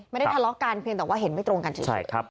ไม่ได้ทะเลาะกันเพียงแต่ว่าเห็นไม่ตรงกันจริง